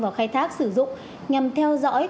vào khai thác sử dụng nhằm theo dõi